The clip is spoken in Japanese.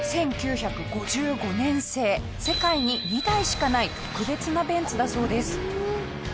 １９５５年製世界に２台しかない特別なベンツだそうです。